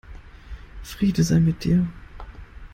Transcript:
Friede sei mit dir.